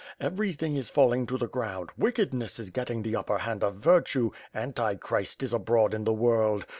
Everything is falling to the ground; wickedness is getting the upper hand of virtue; anti Christ is abroad in the world.